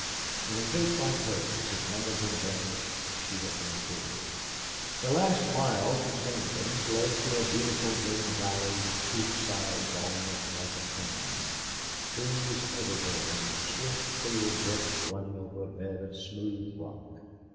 In a case like hers it might have been better if she had been killed. The last mile to Slingerland's lay through a beautiful green valley with steep sides almost like a cañon trees everywhere, and a swift, clear brook running over a bed of smooth rock.